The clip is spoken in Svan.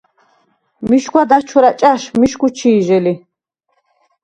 მიშგვა დაჩვრა̈ ჭა̈შ მიშგუ ჩი̄ჟე ლი.